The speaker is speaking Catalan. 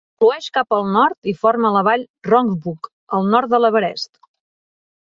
Flueix cap al nord i forma la vall Rongbuk, al nord de l'Everest.